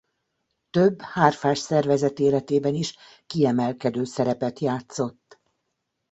Több hárfás szervezet életében is kiemelkedő szerepet játszott.